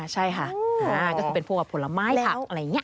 ใช่ค่ะก็คือเป็นพวกผลไม้ค่ะ